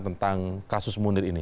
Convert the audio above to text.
tentang kasus munir ini